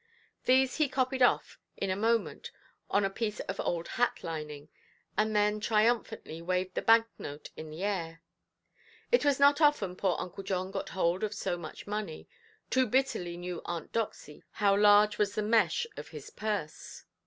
These he copied off, in a moment, on a piece of old hat–lining, and then triumphantly waved the bank–note in the air. It was not often poor Uncle John got hold of so much money; too bitterly knew Aunt Doxy how large was the mesh of his purse.